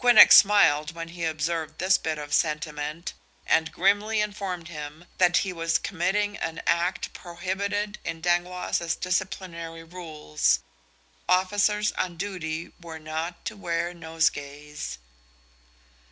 Quinnox smiled when he observed this bit of sentiment, and grimly informed him that he was committing an act prohibited in Dangloss's disciplinary rules. Officers on duty were not to wear nosegays.